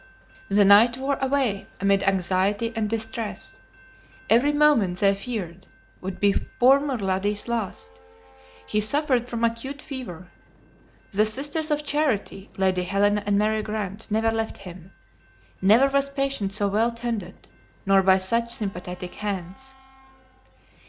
The night wore away amid anxiety and distress; every moment, they feared, would be poor Mulrady's last. He suffered from acute fever. The Sisters of Charity, Lady Helena and Mary Grant, never left him. Never was patient so well tended, nor by such sympathetic hands.